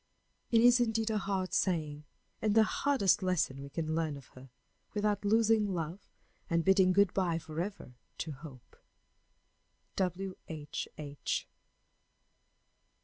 It is indeed a hard saying, and the hardest lesson we can learn of her without losing love and bidding good by forever to hope._ W. H. H.